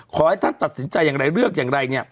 ขอให้ท่านตัดสินใจอย่างไรเลือกอย่างไรเนี่ย